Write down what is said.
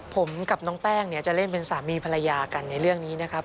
ผมกับน้องแป้งเนี่ยจะเล่นเป็นสามีภรรยากันในเรื่องนี้นะครับ